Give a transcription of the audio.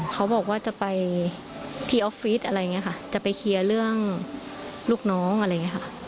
เขาบอกว่าจะไปที่ออฟฟิศอะไรอย่างนี้ค่ะจะไปเคลียร์เรื่องลูกน้องอะไรอย่างนี้ค่ะ